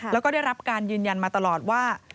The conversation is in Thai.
แล้วก็ได้รับการยืนยันมาตลอดว่า